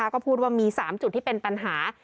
ก็พูดว่ามี๓จุดที่เป็นปัญหา